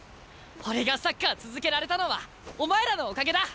俺がサッカー続けられたのはお前らのおかげだ！